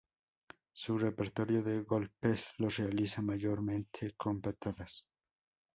Su repertorio de golpes los realiza mayormente con patadas.